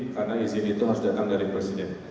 karena izin itu harus datang dari presiden